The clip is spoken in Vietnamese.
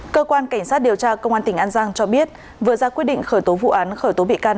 cơ quan cảnh sát điều tra công an tỉnh an giang cho biết vừa ra quyết định khởi tố vụ án khởi tố bị can